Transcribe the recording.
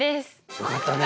よかったね。